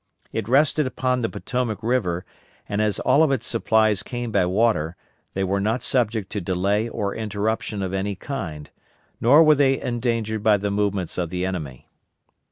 It rested upon the Potomac River, and as all of its supplies came by water, they were not subject to delay or interruption of any kind; nor were they endangered by the movements of the enemy.